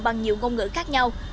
bằng nhiều ngôn ngữ khác nhau